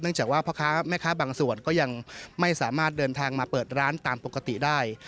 จากว่าพ่อค้าแม่ค้าบางส่วนก็ยังไม่สามารถเดินทางมาเปิดร้านตามปกติได้